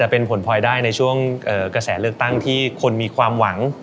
เป็นผลพลอยได้ในช่วงกระแสเลือกตั้งที่คนมีความหวัง